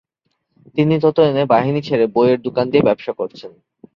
তিনি তত দিনে বাহিনী ছেড়ে বইয়ের দোকান দিয়ে ব্যবসা করছেন।